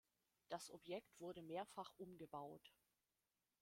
Das Objekt wurde mehrfach umgebaut.